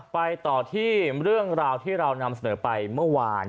ไปต่อที่เรื่องราวที่เรานำเสนอไปเมื่อวาน